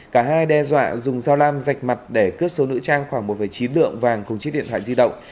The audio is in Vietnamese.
cả hai đe dọa dùng dao lam dạch mặt để cướp số nữ trang khoảng một chín lượng vàng cùng chiếc điện thoại di động